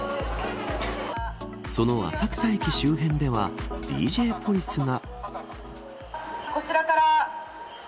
その浅草駅周辺ではＤＪポリスが。